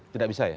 tidak bisa ya